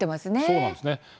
そうなんですね。